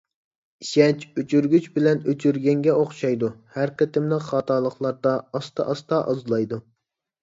ئىشەنچ ئۆچۈرگۈچ بىلەن ئۆچۈرگەنگە ئوخشايدۇ، ھەر قېتىملىق خاتالىقلاردا ئاستا-ئاستا ئازلايدۇ.